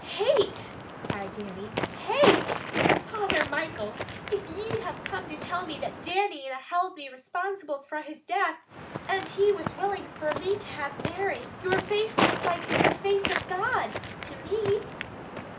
"Hate!" cried Dannie. "Hate! Father Michael, if ye have come to tell me that Jimmy na held me responsible fra his death, and was willing fra me to have Mary, your face looks like the face of God to me!"